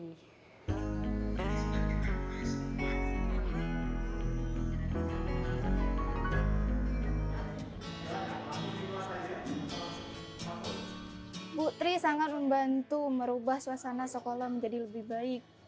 ibu tri sangat membantu merubah suasana sekolah menjadi lebih baik